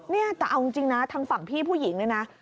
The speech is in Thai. เนี่ยแต่เอาจริงนะทางฝั่งพี่ผู้หญิงเนี่ยนะ